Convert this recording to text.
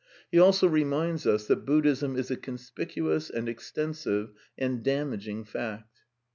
He also reminds us that Buddhism is a conspicuous and extensive and damaging fact.